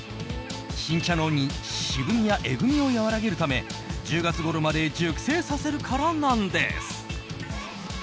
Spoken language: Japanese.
新茶の渋みやえぐみを和らげるため１０月ごろまで熟成させるからなんです。